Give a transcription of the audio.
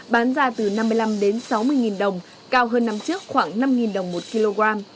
sán ra từ năm mươi năm đến sáu mươi đồng cao hơn năm trước khoảng năm đồng một kg